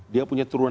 dia punya turunan